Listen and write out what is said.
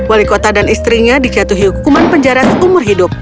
wali kota dan istrinya dijatuhi hukuman penjara seumur hidup